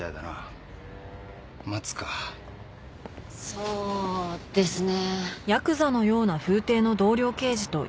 そうですね。